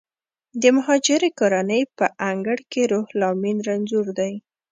د مهاجرې کورنۍ په انګړ کې روح لامین رنځور دی